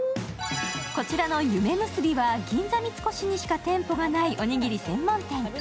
こちらの夢むすびは銀座三越にしか店舗がないおにぎり専門店。